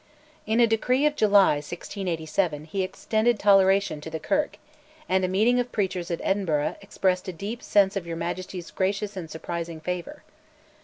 In a decree of July 1687 he extended toleration to the Kirk, and a meeting of preachers at Edinburgh expressed "a deep sense of your Majesty's gracious and surprising favour."